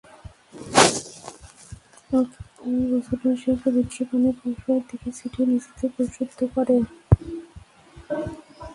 নতুন বছরে সেই পবিত্র পানি পরস্পরের দিকে ছিটিয়ে নিজেদের পরিশুদ্ধ করে।